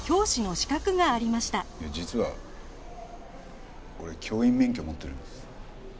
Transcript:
いや実は俺教員免許持ってるんです。